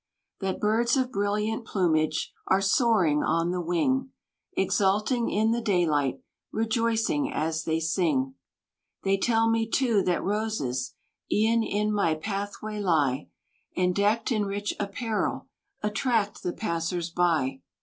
That birds of brilliant plumage, Are soaring on the wing; Exulting in the daylight, Rejoicing as they sing. They tell me too that roses, E'en in my pathway lie; And decked in rich apparel, Attract the passers by.